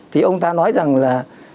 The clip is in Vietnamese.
thì ông ta nói rằng là